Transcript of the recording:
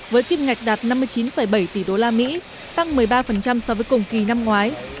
với kim ngạch đạt năm mươi chín bảy tỷ đô la mỹ tăng một mươi ba so với cùng kỳ năm ngoái